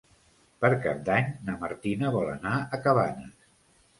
Per Cap d'Any na Martina vol anar a Cabanes.